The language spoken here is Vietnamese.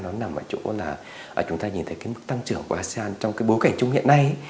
nó nằm ở chỗ là chúng ta nhìn thấy cái mức tăng trưởng của asean trong cái bối cảnh chung hiện nay